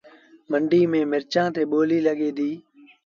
منڊيٚ ميݩ مرچآݩ تي ٻوليٚ لڳي ديٚ